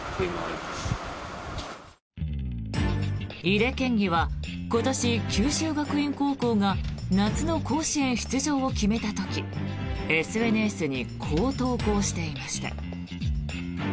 井手県議は今年、九州学院高校が夏の甲子園出場を決めた時ＳＮＳにこう投稿していました。